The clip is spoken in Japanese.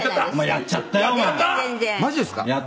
「やっちゃったよ」